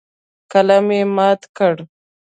قلم یې مات کړ.